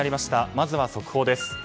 まずは速報です。